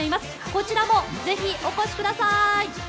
こちらもぜひお越しください！